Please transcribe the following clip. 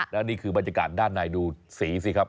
แล้วนี่คือบรรยากาศด้านในดูสีสิครับ